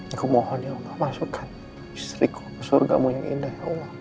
aku mohon ya allah masukkan istriku surgamu yang indah ya allah